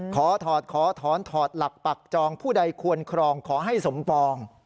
ขอถอดขอถอนถอดหลักปักจองผู้ใดควรครองขอให้สมปอง